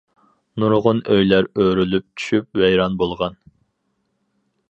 نۇرغۇن ئۆيلەر ئۆرۈلۈپ چۈشۈپ ۋەيران بولغان.